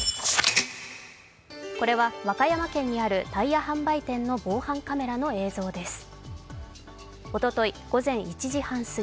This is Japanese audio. これは和歌山県にあるタイヤ販売店の防犯カメラの映像です。